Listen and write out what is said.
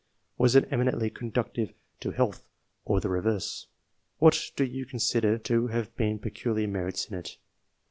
Was it eminently conducive to health or the reverse ? What do you consider to have been peculiar merits in it